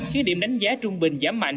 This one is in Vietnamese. khiến điểm đánh giá trung bình giảm mạnh